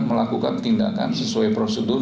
melakukan tindakan sesuai prosedur